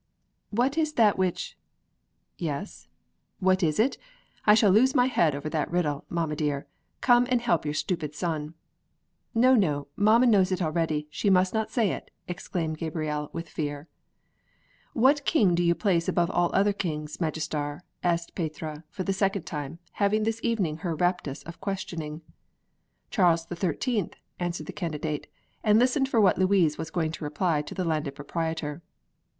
"What is that which " "Yes, what is it? I shall lose my head over that riddle. Mamma dear, come and help your stupid son!" "No, no! Mamma knows it already. She must not say it!" exclaimed Gabrielle with fear. "What king do you place above all other kings, Magister?" asked Petrea for the second time, having this evening her "raptus" of questioning. "Charles the Thirteenth," answered the Candidate, and listened for what Louise was going to reply to the Landed Proprietor.